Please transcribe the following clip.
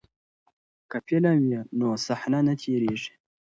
که فلم وي نو صحنه نه تیریږي.